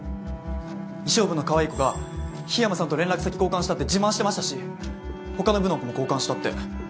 衣装部のかわいい子が緋山さんと連絡先交換したって自慢してましたしほかの部の子も交換したって。